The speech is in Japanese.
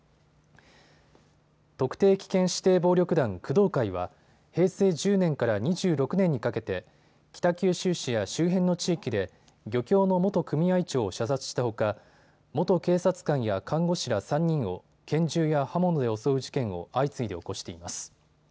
特定危険指定暴力団、工藤会は平成１０年から２６年にかけて北九州市や周辺の地域で漁協の元組合長を射殺したほか、元警察官や看護師ら３人を拳銃や刃物で襲う事件を相次いで起こしています。